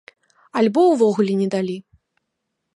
Альбо ўвогуле не далі.